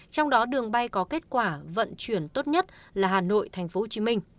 trong đó đường bay có kết quả vận chuyển tốt nhất là hà nội tp hcm